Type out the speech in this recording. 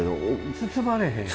包まれへんやろ。